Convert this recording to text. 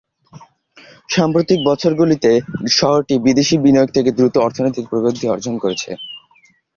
সাম্প্রতিক বছরগুলিতে শহরটি বিদেশী বিনিয়োগ থেকে দ্রুত অর্থনৈতিক প্রবৃদ্ধি অর্জন করেছে।